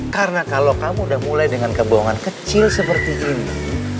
karena kalo kamu udah mulai dengan kebohongan kecil seperti ini